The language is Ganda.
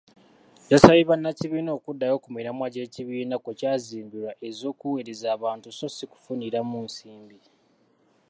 Yasabye bannakibiina okuddayo ku miramwa gy'ekibiina kwe kyazimbirwa ez'okuweereza abantu so ssi kufuniramu nsimbi.